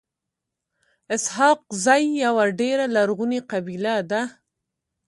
اسحق زی يوه ډيره لرغوني قبیله ده.